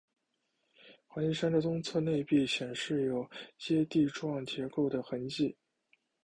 环形山的东侧内壁显示有阶地状结构的痕迹。